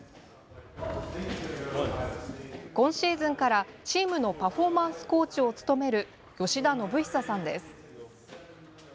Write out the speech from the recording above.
今シーズンから、チームのパフォーマンスコーチを務める吉田修久さんです。